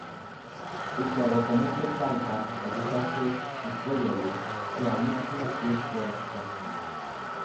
Ijkuak otemokej tlalpan, okitakej tlikoyoli, se amichij tlixko kajki.